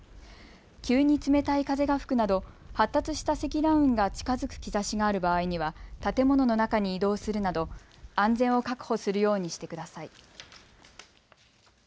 急に冷たい風が吹くなど発達した積乱雲が近づく兆しがある場合には建物の中に移動するなど安全を確保するようにしてください。